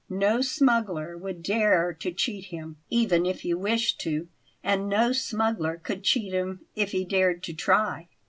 No smuggler would dare to cheat him, even if he wished to, and no smuggler could cheat him if he dared to try."